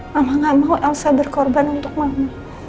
mama gak mau elsa berkorban untuk mau